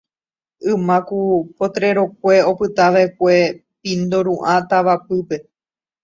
Yma ku potrero-kue opytava'ekue Pindoru'ã tavapýpe.